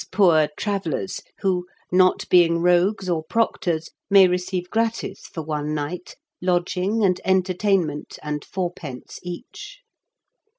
67 poor travellers who, not being rogues or proc tors, may receive gratis for one night lodging and entertainment and fourpence each."